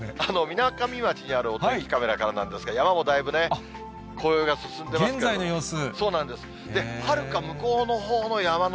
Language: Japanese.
みなかみ町にあるお天気カメラからなんですが、山もだいぶね、現在の様子？